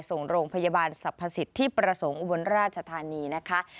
ส่งโรงพยาบาลสรรพสิทธิประสงค์อุบลราชธานีนะคะ